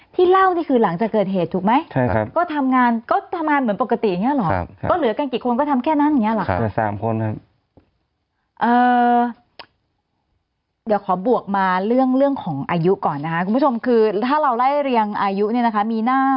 ที่เราก็ที่คือหลังจากเกิดเหตุถูกไหม